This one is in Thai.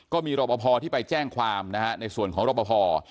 ก็มีรอปภที่ไปแจ้งความนะฮะในส่วนของรบพอ